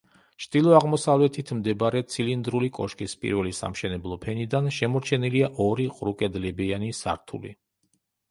ჩრდილო-აღმოსავლეთით მდებარე ცილინდრული კოშკის პირველი სამშენებლო ფენიდან შემორჩენილია ორი ყრუკედლებიანი სართული.